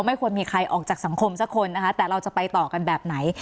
ไม่ควรมีใครออกจากสังคมสักคนนะคะแต่เราจะไปต่อกันแบบไหน